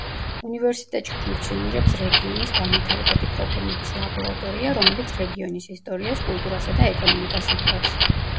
უნივერსიტეტში ფუნქციონირებს რეგიონის განვითარებადი პრობლემების ლაბორატორია, რომელიც რეგიონის ისტორიას, კულტურასა და ეკონომიკას იკვლევს.